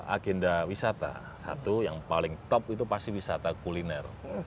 agenda wisata satu yang paling top itu pasti wisata kuliner